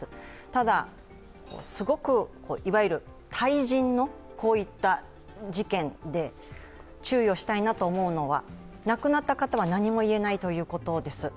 ただ、すごくいわゆる対人のこういった事件で注意をしたいなと思うのは亡くなった方は何も言えないということです。